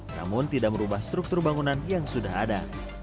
namun tidak merubah struktur bangunan yang sudah ada